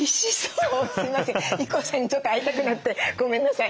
すいませんＩＫＫＯさんにちょっと会いたくなってごめんなさい。